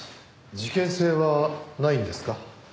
事件性はないんですか？